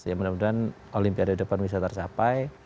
ya mudah mudahan olimpiade depan bisa tercapai